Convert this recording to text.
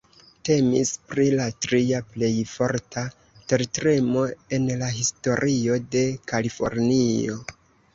Temis pri la tria plej forta tertremo en la historio de Kalifornio.